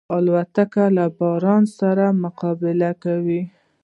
الوتکه له باران سره مقابله کوي.